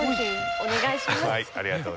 お願いします。